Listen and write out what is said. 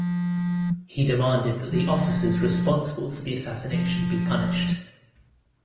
He demanded that the officers responsible for the assassination be punished.